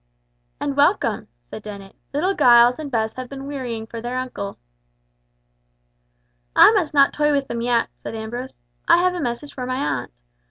"And welcome," said Dennet. "Little Giles and Bess have been wearying for their uncle." "I must not toy with them yet," said Ambrose, "I have a message for my aunt.